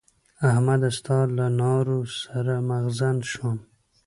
احمده! ستا له نارو سر مغزن شوم.